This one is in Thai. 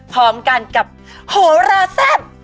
พร้อมกันกับโหราแซ่บ